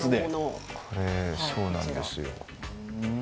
そうなんです。